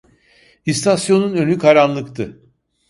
İstasyonun önü karanlıktı.